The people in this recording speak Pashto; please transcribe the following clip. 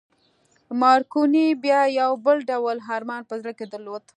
مارکوني بیا یو بل ډول ارمان په زړه کې درلود